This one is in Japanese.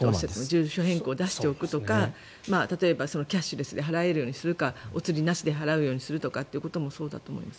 住所変更を出しておくとか例えばキャッシュレスで払えるようにするかお釣りなしで払えるようにするとかもそうだと思います。